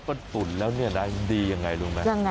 โปรดปุ่นลาดนี้ดีอย่างไรรู้ไหม